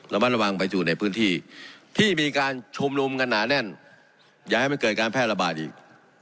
แล้วบรรหนวังไปดูในพื้นที่ที่มีการชมรมหนาแน่นอย่าให้มันเกิดการแพร่ระบายอีก